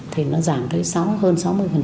thì nó giảm tới hơn sáu mươi